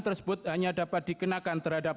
tersebut hanya dapat dikenakan terhadap